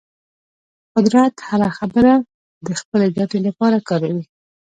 قدرت هره خبره د خپلې ګټې لپاره کاروي.